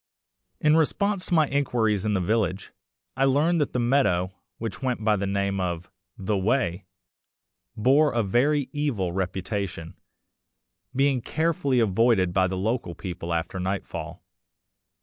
In response to my inquiries in the village, I learned that the meadow, which went by the name of "The Way," bore a very evil reputation, being carefully avoided by the local people after nightfall.